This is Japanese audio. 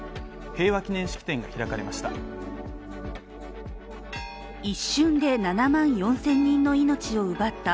平和祈念式典が開かれました。